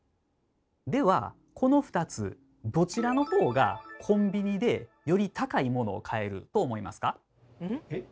ではこの２つどちらのほうがコンビニでより高いものを買えると思いますか？え？